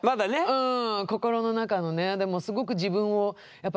うん。